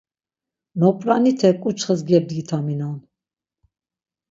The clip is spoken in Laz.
Nop̌ranite ǩuçxes gebdgitaminon.